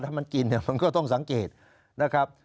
ถ้ามันกินมันก็ต้องสังเกตนะครับ